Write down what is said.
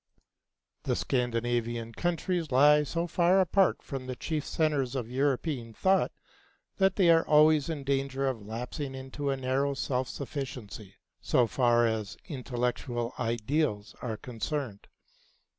The Scandinavian countries lie so far apart from the chief centres of European thought that they are always in danger of lapsing into a narrow self sufficiency so far as intellectual ideals are concerned.